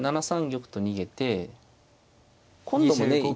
７三玉と逃げて今度もね